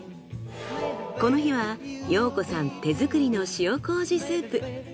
この日は陽子さん手作りの塩麹スープ。